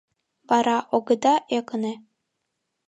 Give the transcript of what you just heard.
Вара огыда ӧкынӧ?